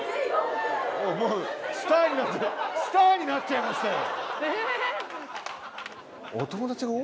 もうスターになったスターになっちゃいましたよ。